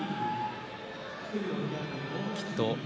きっと翠